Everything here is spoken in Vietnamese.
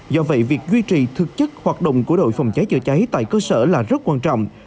do vậy việc duy trì thực chất hoạt động của đội phòng cháy chữa cháy tại cơ sở là rất quan trọng